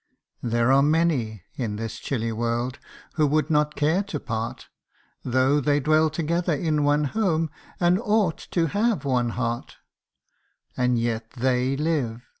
There are many in this chilly world who would not care to part, Tho 1 they dwell together in one home, and ought to have one heart, And yet they live